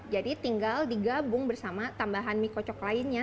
jadi tinggal digabung bersama tambahan mie kocok lainnya